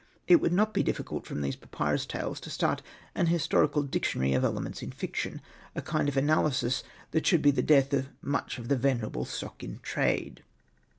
It would not be difficult from these papyrus tales to start an historical dictionary of the elements of fiction : a kind of analysis that should be the death of much of the venerable stock in trade.